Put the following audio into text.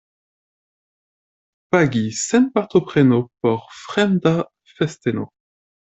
Pagi sen partopreno por fremda festeno.